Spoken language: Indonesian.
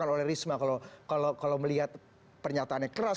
yang diharapkan oleh risma kalau melihat pernyataannya keras